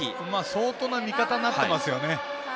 相当な味方になっていますよね。